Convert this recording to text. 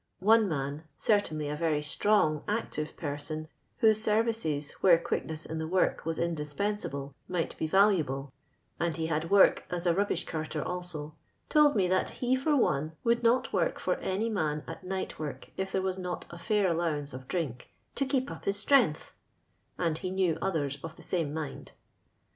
One man, cer tainly a very strong active person, whose services where quickness in the work was indispensable might be valuable (and he had work as a rub bish carter also), told me that he for one would not work for any man at nightwork if there was not a fair allowance of drink, " to keep up his strength," and he knew others of the same mind.